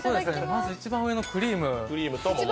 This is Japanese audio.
まず一番上のクリーム。